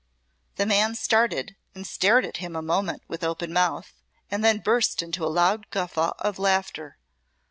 The man started and stared at him a moment with open mouth, and then burst into a loud guffaw of laughter.